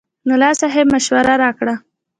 ملا صاحب مشوره راکړه.